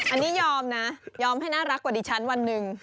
อันนี้ยอมนะยอมให้น่ารักกว่าดิฉันวันหนึ่ง